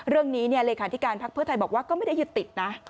เรื่องนี้เนี่ยเลยค่ะที่การภักษ์เพื่อไทยบอกว่าก็ไม่ได้หยุดติดนะ